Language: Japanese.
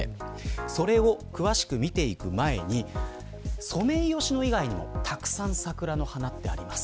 それを詳しく見ていく前にソメイヨシノ以外にもたくさん桜の花ってあります。